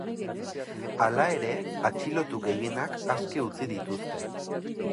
Hala ere, atxilotu gehienak aske utzi dituzte.